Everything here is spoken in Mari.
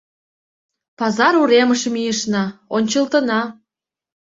— Пазар уремыш мийышна, ончылтына.